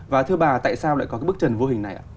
và thưa bà tại sao lại có cái bức trần vô hình này ạ